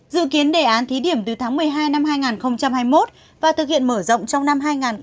dự kiến đề án thí điểm từ tháng một mươi hai năm hai nghìn hai mươi một và thực hiện mở rộng trong năm hai nghìn hai mươi